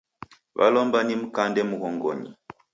Walomba nimkande mghongonyi